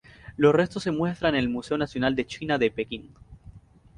Los restos se muestran en el Museo Nacional de China de Pekín.